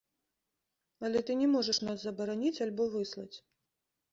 Але ты не можаш нас забараніць альбо выслаць!